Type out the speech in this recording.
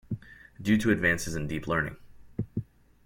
Due to advances in deep learning.